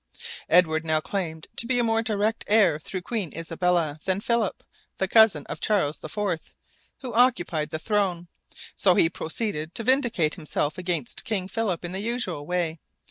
Edward now claimed to be a more direct heir through Queen Isabella than Philip, the cousin of Charles IV., who occupied the throne, so he proceeded to vindicate himself against King Philip in the usual way.